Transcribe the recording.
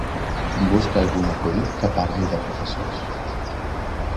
Busca algun acudit que parli de professors.